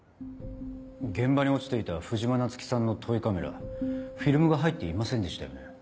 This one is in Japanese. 現場に落ちていた藤間菜月さんのトイカメラフィルムが入っていませんでしたよね。